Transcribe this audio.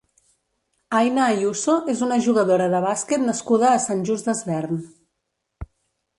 Aina Ayuso és una jugadora de bàsquet nascuda a Sant Just Desvern.